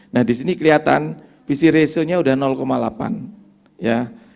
nah di sini kelihatan visi ratio nya udah delapan ya